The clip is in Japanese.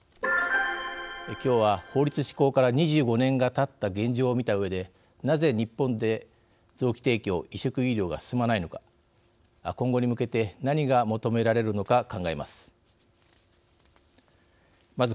今日は、法律施行から２５年がたった現状を見たうえでなぜ、日本で臓器提供、移植医療が進まないのか今後に向けて何が求められるのか考えます。